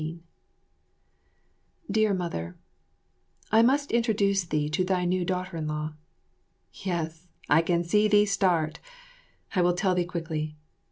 18 Dear Mother, I must introduce thee to thy new daughter in law. Yes, I can see thee start. I will tell thee quickly.